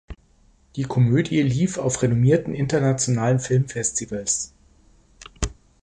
Die Komödie lief auf renommierten internationalen Filmfestivals.